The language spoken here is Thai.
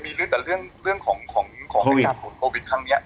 มีเรื่องแต่เรื่องของการผลโควิดครั้งนี้